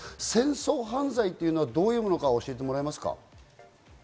戦争犯罪というのはどういうものか、教えてもらえますか？